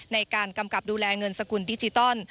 กำกับดูแลเงินสกุลดิจิตอล